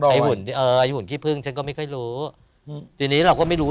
หุ่นเอ่อไอ้หุ่นขี้พึ่งฉันก็ไม่ค่อยรู้ทีนี้เราก็ไม่รู้